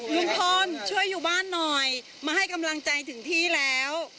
ลุงพลช่วยอยู่บ้านหน่อยมาให้กำลังใจถึงที่แล้ว